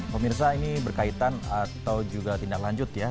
pemirsa ini berkaitan atau juga tindak lanjut ya